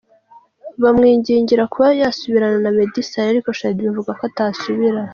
bamwingingira kuba yasubirana na Meddy Saleh ariko Shaddyboo avuga ko atasubira